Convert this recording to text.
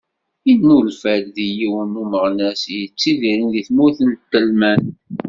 Yennulfa-d din yiwen n umeɣnas i yettidiren di tmurt n Telmant.